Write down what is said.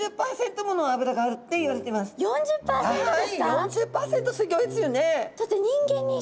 ４０％すギョいですよね。